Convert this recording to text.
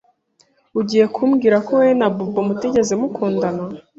Ugiye kumbwira ko wowe na Bobo mutigeze mukundana?